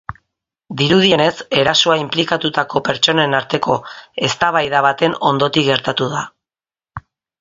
Dirudienez, erasoa inplikatutako pertsonen arteko eztabaida baten ondotik gertatu da.